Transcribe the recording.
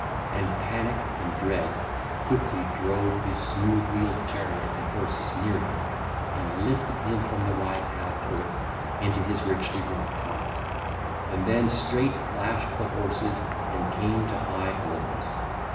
And Panic and Dread quickly drove his smooth wheeled chariot and horses near him and lifted him from the wide pathed earth into his richly wrought car, and then straight lashed the horses and came to high Olympus.